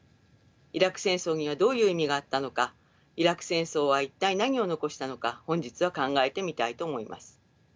イラク戦争にはどういう意味があったのかイラク戦争は一体何を残したのか本日は考えてみたいと思います。